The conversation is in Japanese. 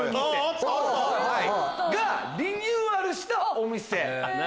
リニューアルしたお店。